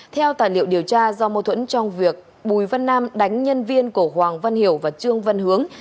theo tài liệu điều tra do mâu thuẫn trong việc bùi văn nam đánh nhân viên của hoàng văn hiểu và trương văn hướng